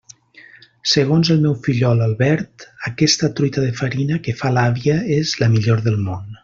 Segons el meu fillol Albert, aquesta truita de farina que fa l'àvia és «la millor del món».